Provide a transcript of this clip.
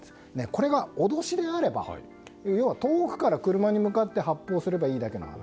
これが脅しであれば要は遠くから車に向かって発砲すればいいだけの話。